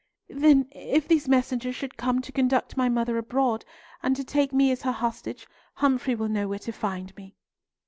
"Then if these messengers should come to conduct my mother abroad, and to take me as her hostage, Humfrey will know where to find me."